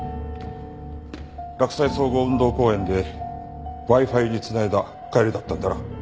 洛西総合運動公園でＷｉ−Ｆｉに繋いだ帰りだったんだな。